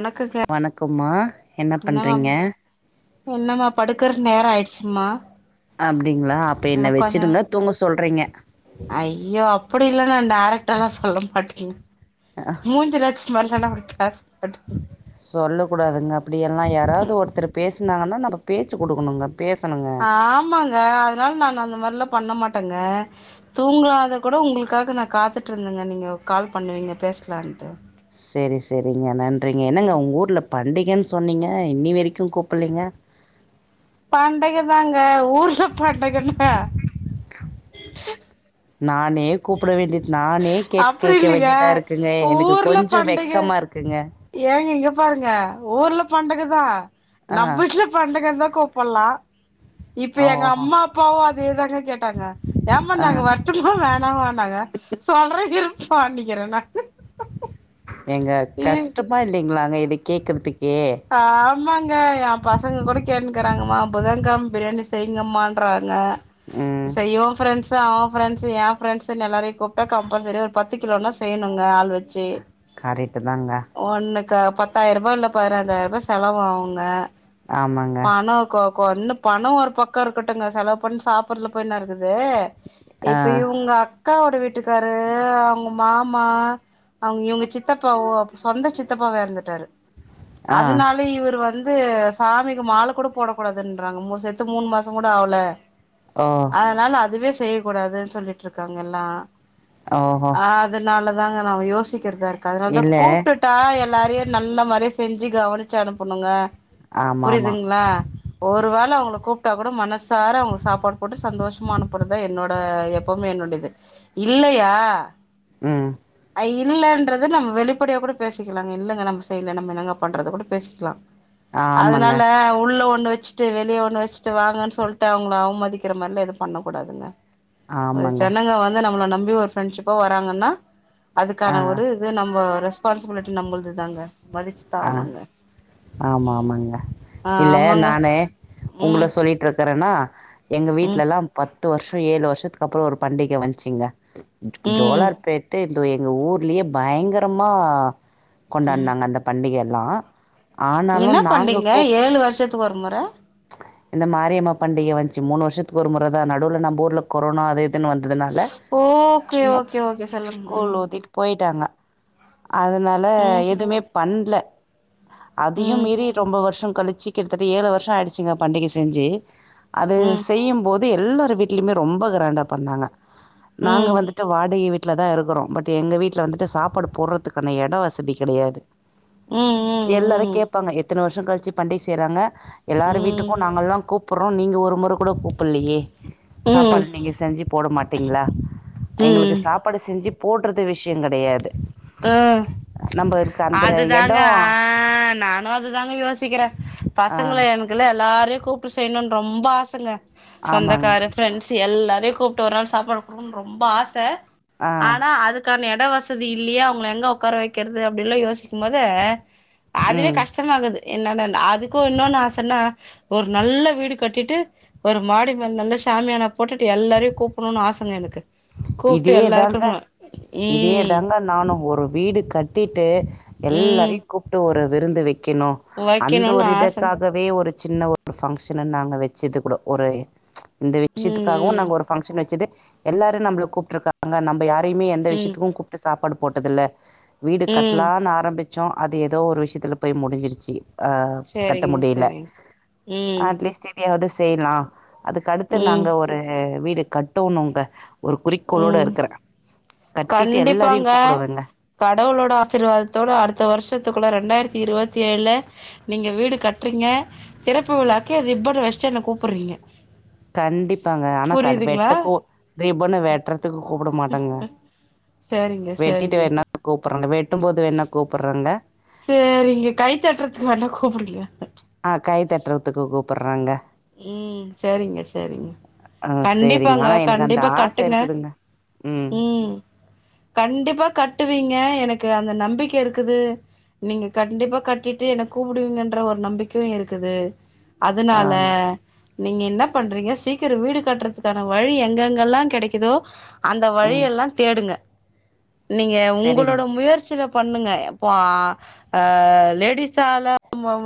உனக்குக வணக்கம்மா என்ன பண்றீங்க ன்னவாமா என்னமா படுக்குற நேர ஆயிட் எ சும்மா அப்டிங்ளா அப்ப என்ன வெச்சிடுங்க தூங்க சொல்றீங்க ஐயோ அப்புட் டி இல்ல ந டேரெக்டால்ல சொல்ல மாட்டிங் மூஞ்சில அச்ச மாரி சண்ட [unintelligible] காஸ் பட்டு சொல்ல கூடாதுங்க அப்படியெல்லா பேச்சி குடுக்குனுங்க ஆமாங்க அதுனால் நானு அந்த மேர்லா பண்ண மாட்டங்க தூங்காத கூட உங்ளுக்காக நா காத்துட்டுருந்தங்க நீங்கோ கால் பண்ணுவீங்க பேஸ்லான்ட்டு சேரி சேரிங்க நன் ட்ரிங்க என்னங்க உங்க ஊர்ல பண்டிகன் சொன்னீங்க இன்னி வெரிக்கு கூப்புல்லிங்க பண்டிக தாங்க ஊர் சப்பாண்ட [unintelligible] ஹ [unintelligible] நானே கூப்ட வேண்டிது நானே கேக்கு அப்டி கேக்க இல்லைங்க வேண்டியதா இருக்குங்க எனக்கு ஊர்ல கொஞ்சோ பண்டிக வெக்கமா இருக்குங்க ஏங்க இங்க பாருங்க ஊர்லப் பண்டுகுதா ஆ நம்ம வீட்டுல பண்டகதா கூப்பல்லா இப்ப எங்க ஓஹோ அம்மா அப்பாவு அதேதாங்க கேட்டாங்க ஏமா ஆ நாங்க வரட்டுமா வேணவான்னாங்க சொல்றேயிருப் பண்ணிக்கிறே நா ஏங்க ஏ கஷ்டமா இல்லைங்களா எப்டி கேக்கற்திக் ஆமாங்க எயா பசங்க கூட கேட்னுகிறாங்க மா புதன்கம் பிரியாணி செய்யிங்கமான்றாங்க ம் செய்வோ ப்ரெண்ட்ஸ் அவே ப்ரெண்ட்ஸ் எயா பிரரெண்ட்ஸ்ங்க எல்லாரையு கூப்டா கம்பல்சரி ஒரு பத்து கிலோனா செய்யணுங்க ஆள் வெச் சி கரெக்ட்டு தாங்க ஒன்ன க பத்தாயிர ரூபா இல்ல பாரே ஐந்தாயிரம் ரூபா செலவவுங்க ஆமாங்க பணோ கோ ஒன்னு பணோ ஒரு பக்கோ இருக்கட்டுங்க செலவு பண் சாப்புட்றதுல போய் என்ன இருக்குதே ஆ இப்ப இவுங்கக் கா வோட வீட் வீட்டுகாரு அவுங்க மாமா அவுங்க இவுங்க சித்தப்பாவோ சொந்த சித்தப்பாவே இறந்துட்டாரு ஆ அதனால இவரு வந்து இது சாமிக்கு மால கூட போட கூடாதுன்றாங்க செத்து மூணு மாசோ கூட ஆகல ஓ அதனால அதுவே செய்ய கூடாதுன்னு சொல்லிட்டிருக்காங்க எல்லா ஓஹோ ஆ அதனால தாங்க நா யோசிக் யறதா இருக்கு அதனால தா இல்ல கூப்டுட்டா எல்லாரையு நல்ல மாரி செஞ்சு கவுனிச்சி அனுப்பணுங்க ஆமா ஆமா புரியுதுங்களா ஒரு வேல அவுங்கல கூப் கூப்புட்டா கூட மனசார அவுங்க சாப்பாடு போட்டு சந்தோஷமா அனுப்பறதுதா என்னோட எப்பவுமே என்னுடையது இல்லையா உம் அ இல்லன்றது நம்ம வெளிப்படயா கூட பேசிக்லாங்க இல்லங்க நம்ம செய்ல நம்ம என்னங்க பண்றத கூட பேசிக்லா ஆ ஆமாங்க அதனால உள்ள ஒ ஒண்ணு வச்சிட்டு வெளிய ஒண்ணு வச்சுட்டு வாங்கன் சொல்ட்டு அவுங்ள அவ்மதிக்கிர மார்லா எது பண்ணகுடாதுங்க ஆமாங்க அதுசென்னங்க வந்து நம்மள நம்பி ஒரு ஃபிரெண்ட்ஷிப்பா வராங்கன்னா ஆ அதுக்கான ஒரு இது நம்ம ரெஸ்பான்சிபிலிட்டி நம்மளுது தாங்க மதிச் ஆஹ் ஆமா ஆமாங்க ஆ இல்ல ஆமாங்க நானு உங்கள ம் சொல்லிட் ருக்கறன்னா எங்க ம் வீட்லலாம் பத் த்து வருஷோ ஏழு வருஷ்த்துக்கப்றோ ஒரு பண்டிக வந்ச்சிங்க ம் ஜோலார் பேட்டு இது எங்க ஊர்லயே பயங்கரமா கொண்டான்னாங்க அந்த பண்டிகல்லா என்னா பண்டீங்க ஏழு வர்ஷ்த் ஒரு மொற இந்த மாரியம்மா பண்டிக வந்ச்சி மூணு வர்ஷத்க் ஒரு மொற தா நடுல நம்பூர்ல கொரோனா அது இத வந்ததுனால ஓகே சும்மா ஓகே ஓகே சொல்லுங்க கூல் ம் லூத்திட் போய்ட்டாங்க அதனால ம் எதுமே ன்டுல அதையு ம் மீறி ரொம்ப வர்ஷோ கலிச்சு கிட்டத்தட்ட ஏழு வர்ஷோ ஆயிடுச்சிங்க பண்டிக செஞ்சி அது ம் செய்யுபோ து எல்லார் வீட்லயுமே ரொம்ப கிரேண்டா பண்ணாங்க ம் நாங்க ம் வந்துட்டு வாடைய் விட் ட்ல தாருக்குறோ பட் எங்க வீட்ல வந்துட்டு சாப்பாடு போடுறதுக்கான எடோ வசதி கெடையாது ம் எல்லாரு ம் கேப்பாங்க எத்தன வர்ஷோ கழிச் ச்சி பண்டி செய்றாங்க எல்லாரு ம் வீட்டுக்கு நாங்கல்லா கூப் ப்புறோ நீங்க ஒரு மொற கூட கூப்புல்லயே ம் சாப்பாடு நீங்க செஞ்சி போட மாட்டீங்களா எங்களுக்கு ம் சாப்பாடு செஞ்சிப் போட்றது விஷ்யோ கெடையாது நம்ம இருக் அது தாங்க ஆ நானும் துதாங்க யோ சிக்கிறேன் ஆ பசங்கள எனக்குலா எல்லாரையும் கூப்ட்டு செய்யணுனு ரொம்ப ஆசங்க ஆமாங்க சொந்தக்கார ஃப்ரெண்ட்ஸ் எல்லார் அதே கூப்ட்டு ஒரு நாள் சாப்பாடு குடுக்கணுனு ரொம்ப ஆச ஆ ஆனா அதுக்கான இடவ சதி இல்லயா அவுங்கள எங்க உக்கார வைக்கிறது அப்டில்லா யோசி க்கும் போது அதுவே ம் கஷ்டமாகுது என்னன்ன அதுக்கும் இன்னொன்னு ஆசன்னா ஒரு நல்ல வீடு கட்டிட்டு ஒரு மாடி மேல் நல்ல சாமியானா போட்டுட்டு எல்லாரையும் கூப்புட்ணுனு ஆசங்க எனக்கு க்கு இதே தாங்க இதே ம் தாங்க நானும் ஒரு வீடு கட்டிட்டு ம் எல்லாரையும் கூப்ட்டு ஒரு விருந்து வை க்கணும் அந்த வைக்கணுன்னு ஒரு ஆச இதற்காகவே ஒரு சின்ன ஒரு பங்க்ஷனு நாங்க வச்சது கூட ஒரு ச் இந்த விஷ்யத்துக்காகவும் ம் நாங்க ஒரு ஃபங்க்ஷன் வச்சது எல்லாரும் நம்மள கூப்ட்டுருகாங்க நம்ப யார் யுமே எந்த ம் ம் விஷ்யத்துக்கும் கூப்ட்டு சாப்பாடு போட்டதில்ல வீடு ம் கட்டலான்னு ஆரம்பி ச்சோ அது ஏதோ ஒரு விஷ்யத்துல போய் முடிஞ்சிருச்சு அ கட்ட செரிங்க முடில செரிங்க ம் அட்லீஸ்ட் இதையாவது [unintelligible] லாம் அதுக்கடுத்து ம் நாங்க ஒரு வீடு கட்டனூங்க ஒரு கோளோட ம் இருக்றன் கண்டிப்பாங்க கடவுளோட ஆசிர்வாதத்தோட அடுத்த வருஷத்துக்குள்ள ரெண்டாயிர தி இருவத்தி ஏழு நீங்க வீடு கட்றீங்க திறப்பு விழாக்கு ரிப்பன் வஷ்ட்டு என்ன கூப்புர்றீங்க கண்டிப்பாங்க ஆனா க வெட்டக்கோ ரிபன்னு வெட்றதுக்கு கூப்ட மாட்டாங்க சேரிங்க சேரிங்க [unintelligible] வெட்டும் போது வேணா கூப்புர்றங்க சேரிங்க கை தட்றதுக்கு வேணா கூப்டுங்க ஆ கை தட்றதுக்கு கூப்புர்றங்க ம் சேரிங்க சேரிங்க ஆ சரிங்க. கண்டிப்பாங்க ஆனா எனக்கு அந்த கண்டிப்பா ஆசை கட்டுங்க இருக்குதுங்க. ம் கண்டிப்பா கட்டுவீங்க எனக் கு அந்த நம்பிக்க இருக்குது நீங்க கண்டிப்பா கட்டிட்டு என்ன கூப்டுவீங்கன்ற ஒரு நம்பிக்கையு இருக்குது அதுனால் ல ஆமா. நீங்க என்ன பண்றீங்க சீக்கிரொ வீடு கட்றதுக்கான வழி எங்கெங்கல்லா கெடைக்கிதோ அந்த ம். வழியெல்லா தேடுங்க நீங்க சரிங்க. உங்களோட முயற்சியில பண்ணுங்க இப்போ ஆ லேடிஸால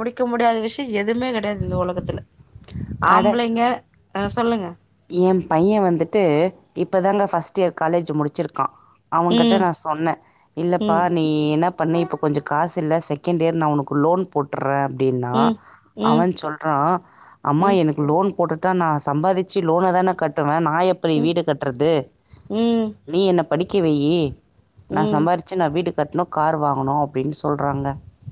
முடிக்க முடியாத விஷயொ எதுவுமே கடையாது இந்த ஒலகத்துல அட ஆம்பளைங்க அ சொல்லுங்க பைய வந்துட்டு இப்போ தாங்க ஃபர்ஸ்ட்டியர் காலேஜு முடிச்சிருக்கா அவங்கிட்ட ம், நா சொன்ன இல்லப்பா ம், நீ என்ன பண்ணு இப்ப கொஞ்சொ காசு இல்ல செகண்ட்டியர் நா ஒனக்கு லோன் போட்டுர்ற அப்டின்னா ம், ம், அவன் ஆ அம்மா ம், எனக்கு லோன் போட்டுட்டா நா சம்பாதிச்சி லோன தான கட்டுவே நா நா எப்டி ம். வீடு கட்றது ம் நீ என்ன படிக்க வெய்யி நா ம் சம்பாரிச்சி நா வீடு கட்ணோ கார் வாங்கணு அப்டின் சொல்றாங்க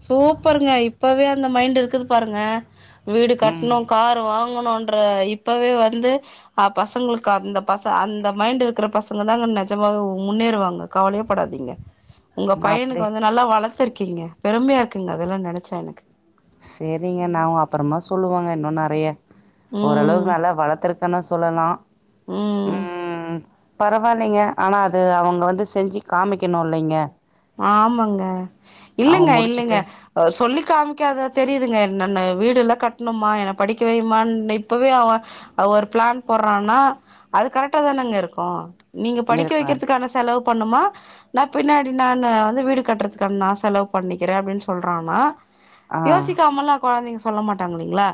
சூப்பருங்க இப்பவே அந்த மைண்ட் இருக்குது பாருங்க வீடு ம். கட்ணு கார் வா ங்கணுன்ற இப்பவே வந்து அ பசங்களுக்கு அந்த பச அந்த மைண்ட் இருக்குற பசங்க தாங்க நஜமாவே முன்னேறுவாங்க கவலையேப் படாதீங்க உங்க நான் பையனுக்கு அப்படியே வந்து நல்லா வளத்துருக் கீங்க பெருமையா இருக்குங்க அதெல்லா நெனச்சா எனக்கு சேரிங்க நா உ அப்பறமா சொல்லுவோங்க இன்னு ந [unintelligible] ம் ஓரளவுக்கு நல்லா வளர்த்துருக்கன்னு சொல்லலாம் ம் பரவால்லைங்க ஆனா அது அவங்க வந்து செஞ்சு காமிக்கணும்ல்லைங்க ஆமாங்க. இல்லலைங்க, இல்லைங்க முடிச்சுட்டு ஆ சொல்லி காமிக்காத தெரியுதுங்க என்னனு. வீடெல்லாம் கட்டணுமா என்ன படிக்க வையுமான்னு இப்பவே அவன் ஒரு பிளான் போடறான்னா அது கரெக்டா தானங்க இருக்கும். நீங்க படிக்க இருக்கார் வைக்கிறதுக்கான செலவு போட்ணுமா நான் பின்னாடி நானு வந்து வீடு கட்டுறதுக்கானு நான் செலவு பண்ணிக்கிறேன் அப்படின்னு சொல்றான்னா ஆ யோசிக்காமல்லாம் குழந்தைங்க சொ சொல்ல மாட்டாங்க இல்லலைங்களா?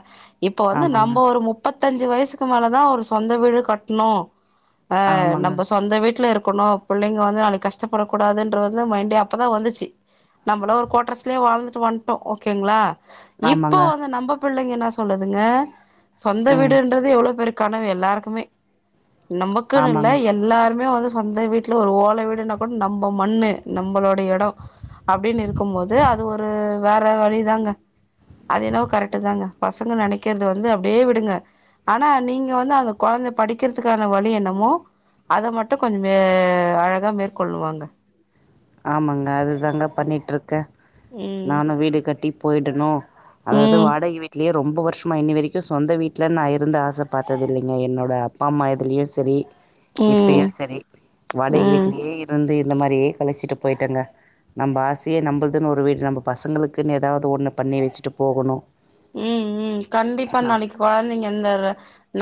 இப்ப வந்து ஆமாங்க நம்ப ஒரு மு முப்பத்தஞ்சு வயசுக்கு மேலதான் ஒரு சொந்த வீடு கட்ணும் ஆ ஆமாங்க நம்ப சொந்த வீட்டுல இருக் ஒன்னும் பிள்ளைங்க வந்து நாளைக்கு கஷ்டப்படக்கூடாதுனு ன்ற மைண்டே அப்பதான் வந்துச்சு நம்பளும் ஒரு கோட்டர்ஸலயே வாழ்ந்துட்டு வந்துட்டோம் ஓகேங்களா இப்ப ஆமாங்க வந்து நம்ப புள்ளைங்க என்ன சொல்லுதுங்க சொந்த ம் வீடுன்றது எவ்ளோ பேருக்கு கனவு எல்லாருக்குமே நமக்குன்னு இல்ல ஆமாங்க எல்லாருமே வந்து சொந்த வீட்டுல ஒரு ஓலை வீடுன கூட நம்ப மண்ணு, நம்பளோடைய எடம் அப்படின்னு இருக்கும்போது அது ஒரு வேற வழிதாங்க அது என்னவோ கரெக்ட்டு தாங்க. பசங்க நினைக்கறது வந்து அப்படியே விடுங்க. ஆனா நீங்க வந்து அந்த கொழந்தை படிக்கறதுக்கான வழி என்னமோ அத மட்டும் கொஞ்சம் ஏஏ அழகா மேற்கொள்ளுவாங்க ஆமாங்க அது அதாங்க பண்ணிட்டு இருக்கேன் ம் நானும் வீடு கட்டி போய்டணும் அதாவது ம் வாடகை வீட்லயே ரொம்ப வருஷமா இன்னி வரைக்கும் சொந்த வீட்டுல நான் இருந்து ஆசை பாத்ததில்ல்லைங்க என்னோட அப்பா அம்மா இதுலயும் சரி ம் இப்பயும் சரி வாடகை ம் வீட்லயே இருந்து இரு இந்த மாறி கழிச்சிட்டு போய்ட்டேங்க. நம்ப ஆசையே நம்பளுதுனு ஒரு வீடு நம்ப பசங்களுக்குன்னு எதாவது ஒன்னு பண்ணி வச்சுட்டு போகணும். ம் ம் கண்டிப்பா நாளைக்கு குழந்தைங்க இந்த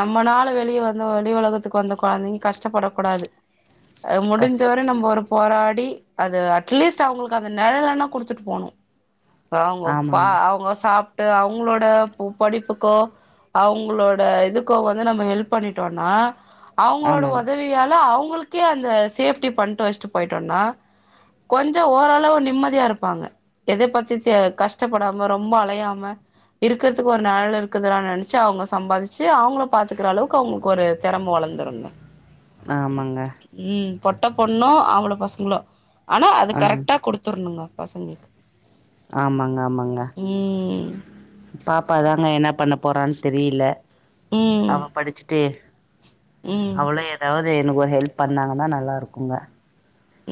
நம்மனால வெளிய வந்த வெளி உலகத்துக்கு வந்த கொழந்தைங்க கஷ்டப்படக் கூடாது அது கஷ்டம் முடிஞ்சவர நம்ம ஒரு போராடி அது அட்லீஸ்ட் அவங்களுக்கு அந்த நெழலனா குடுத்துட்டு போணு அவ்ஙக ப்பா ஆமாங்க அவங்க சாப் ட்டு அவுங் அவங்களோட ம் படிப்புக்கோ அவங்களோட இதுகொ வந்து நம்ம ஹெல்ப் பண்ணிட்டோனா அவுங்களோட ஆமாங் உதவியால அவுங் அவுங்களுக்கே அந்த சேஃப்டி பண்ட்டு வெச்சுட்டு போயிட்டோனா கொஞ்சோ ஓரளவு நிம்மதியா இருப்பாங்க எதை பத்தி கஷ்டப்படாம ரொம்போ அலையாம இருக்கிறதுக்கு ஒரு நிழல் இருக்குதா நெனச்சு அவுங்க சம்பாதிச்சி அவுங்கள பாத்துக்குற அளவு திறமை வளந்துருங்க. ஆமாங்க ம் பொட்ட பொண்ணோ ஆம்பள பசங்களோ ஆனா அத ஆ கரெக்டா குடுத்துருனுங்க பசங்களுக்கு ஆமாங்க ஆமாங்க ம் பாப்பாதாங்க என்ன பண்ண போறான்னு தெரியல ம் அவ படிச்சிட்டு ம் அவ்ளூ எதாவது எனக்கு ஒரு ஹெல்ப் பண்ணாங்கன்னா நல்லா இருக்குங்க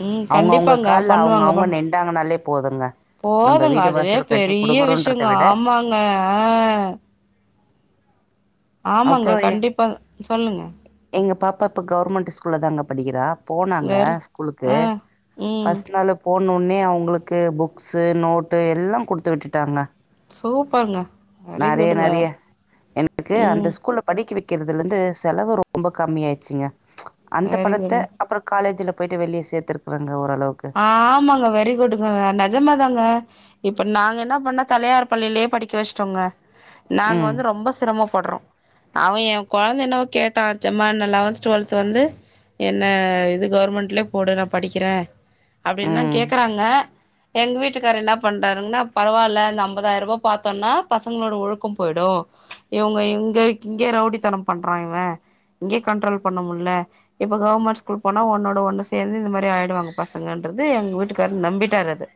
ம் அவங்கவுங்க கண்டிப்பாங்க கால்ல பண்ணுவாங்க அவங்கவுங்க பண்ணுவாங்க நின்டாங்கனாலே போதுங்க நம்ம போதுங்க வீடு அதுவே வாசல் கட்டி பெரிய கொடுக்குறோன்றத விஷயொங்கோ விட ஆமாங்க ஆமாங்க அப்புறோ எ கண்டிப்பா சொல்லுங்க எங்க பாப்பா இப்ப கவர்மெண்ட் ஸ்கூல்லதாங்க படிக்கிறா போனாங்க வேற ஸ்கூலுக்கு ஆ ம் ஃபர்ஸ்ட் நாளே போ உடனே அவுங்களுக்கு புக்ஸ் நோட்டு எல்லா குடுத்து விட்டுட்டாங்க சூப்பருங்க வெரிகுட்டுங்க ஏ அந்த ஸ்கூல்ல படிப் க வெக்கிறதுல இருந்து செலவு ரொம்ப கம்மி ஆயிச்சுங்க ப்ச் அந்த வெரி பணத்த குட் அப்றொ காலேஜ்ல போயிட்டு வெளிய சேர்த்திருகாங்க ஆமாங்க வெரி குட்டுங்க நெஜமாதாங்க இப்ப நாங்க என்ன பண்னோ தனியார் பள்ளியிலயே படிக்க வெச்சிட்டோங்க நாங்க ம் வந்து ரொம்ப சிரமோ படுறோ அவ என் குழந்தை என்னவோ கேட்டா எம்மா லெவன்த் ட்வீல்வேத் வந்து என்ன கவர்மெண்ட்லயே போடு நா படிக்கிற அப்படின்னுதா ம் கேக்குறாங்க எங் வீட்டுக்காரர் என்ன பண்றார்னா பரவால்ல அந்த அம்பதாயிரொ பாத்தோம்னா பசங்களோட ஒழுக்கம் போயிடூ இவங்க இங்க இங்கே ரவுடித்தனம் பண்றா இவ இங்கேயே கண்ட்ரோல் பண்ண முடில இப்ப கவர்மெண்ட் ஸ்கூல் போனா ஒன்னோட ஒன்னு சேந்து இந்த மாரி ஆயிடு பசங்கன்றது எங்க வீட்டுக்காரர் நம்பிட்டார் அத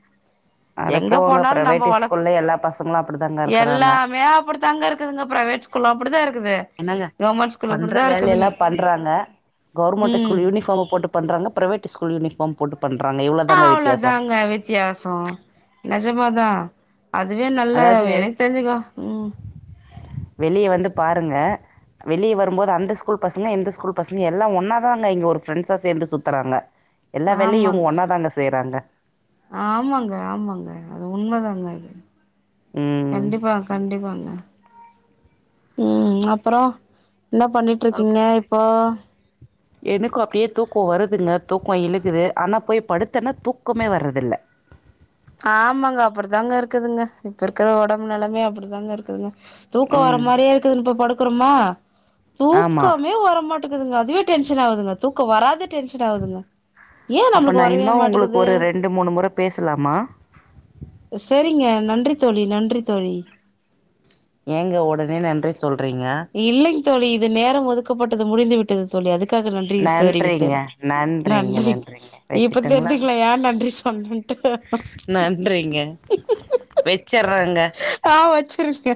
அட எங்க போங்க போனாலு நம்ம பிரைவேட் வழக்கு ஸ்கூல்ல எல்லா பசங்களு அப்படிதாங்க இருக்கறாங்க எல்லாமே அப்படிதாங்க இருக்குதுங்க பிரைவேட் கொல அப்டிதா இருக் என்னங்க பண்ற வேலெல்லா பண்றாங்க கவர்மெண்ட் ம் ஸ்கூல் யூனிஃபார்ம் போட்டு பண்றவங்க பிரவேட்டு ஸ்கூல் யூனிஃபார்ம் போட்டு பண்றாங்க ஆ இவ்வளோதாங்க வித்தியாசம் அவ்ளோதாங்க வித்தியாசம் நெஜமா தா அதுவே நல்ல அதாவது எனக்கு தெரிஞ்சுகா உம் வெளிய வந்து பாருங்க வெளிய வரும்போது அந்த ஸ்கூல் பசங்க இந்த ஸ்கூல் பசங்க எல்லா ஒன்னாதான்ங்க இங்க ஒரு ஃப்ரெண்ட்ஸா சேந்து சுத்துறாங்க. எல்லா வேலையு இவங்க ஆமாங்க ஒன்னா தாங்க செய்யறாங்க ஆமாங்க ஆமாங்க அது உண்மதாங்க ம் கண்டிப்பா கண்டிப்பாங்க உம் அப்பறோ என்ன பண்ணிட்டு அப் இருக்கீங்க இப்போ எனக்கு அப்படியே தூக்கம் வருதுங்க தூக்கம் இலுக்குது ஆனா போய் படுத்தனா தூக்கமே வர்றதில்ல ஆமாங்க அப்படித்தாங்க இருக்குதுங்க இப்ப இருக்கிற ஒடம்பு நெலைமயே அப்டிதாங்க இருக்குதுங்க தூக்கம் வர ம் மாரியே இருக்குது இப்ப படுக் க்குறமா ஆமா தூக்கமே வர மாட் இருக்குதுங்க அதுவே டென்ஷன் ஆகுதுங்க தூக்க வராது அப்ப நா வரவே இன்னு உங்களுக்கு ஒரு ரெண்டு மூணு முற பேசலாமா சரிங்க நன்றித் தோழி நன்றி தோழி ஏங்க ஒடனே நன்றி சொல்றீங்க இல்லைங் தோழி இது நேரம் ஒதுக் க்கப்பட்டது முடிந்துவிட்டது தோழி அதுக் க்காக நன்றிய நன்றிங்க தெரிவித்தேன் நன்றிங்க நன்றி நன்றிங்க இப்ப வச்சுட்டுங்களா தெரி்யுதுங்களா ஏ நன்றி ஆ நன்றிங்க வெச்சறே ஆஹ் வச்சிருங்க